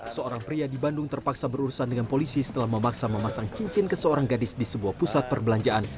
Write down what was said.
seorang pria di bandung terpaksa berurusan dengan polisi setelah memaksa memasang cincin ke seorang gadis di sebuah pusat perbelanjaan